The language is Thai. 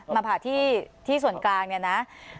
มาผ่าที่ส่วนกลางเนี่ยนะ